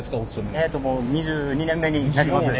えっともう２２年目になりますね。